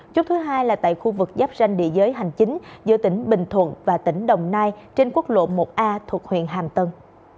chốt thứ hai là tại khu vực giáp ranh địa giới hành chính giữa tỉnh bình thuận và tỉnh đồng nai trên quốc lộ một a thuộc huyện hàm tân